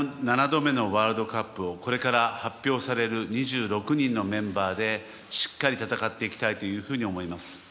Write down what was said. ７度目のワールドカップをこれから発表される２６人のメンバーでしっかり戦っていきたいというふうに思います。